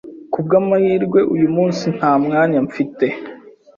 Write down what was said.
Kubwamahirwe, uyu munsi nta mwanya mfite.